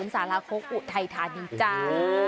๐๖๕๔๕๑๙๖๕๐สารคกอุทัยธานิจจ้า